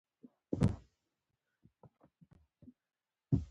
په پتنوس کې مې د قهوې پاسنۍ برخه را پورته کړل.